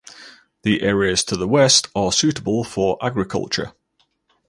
The areas to the west are suitable for agriculture.